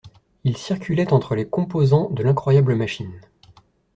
ils circulaient entre les composants de l’incroyable machine